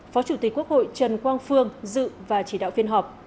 phó chủ tịch quốc hội trần quang phương dự và chỉ đạo phiên họp